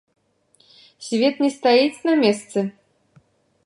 Свет не стаіць на месцы!